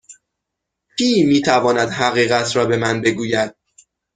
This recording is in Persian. کی می تواند حقیقت را به من بگوید؟